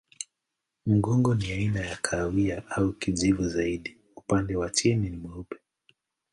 Mgongo ni aina ya kahawia au kijivu zaidi, upande wa chini ni mweupe.